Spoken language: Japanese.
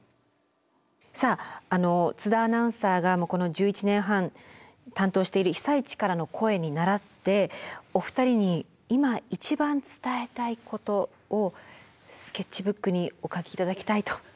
さあ津田アナウンサーがこの１１年半担当している「被災地からの声」に倣ってお二人に今一番伝えたいことをスケッチブックにお書き頂きたいと思います。